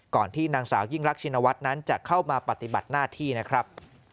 ที่นางสาวยิ่งรักชินวัฒน์นั้นจะเข้ามาปฏิบัติหน้าที่นะครับ